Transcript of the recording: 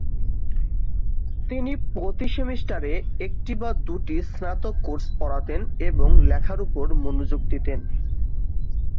তিনি প্রতি সেমিস্টারে একটি বা দুটি স্নাতক কোর্স পড়াতেন এবং লেখার উপর মনোযোগ দিতেন।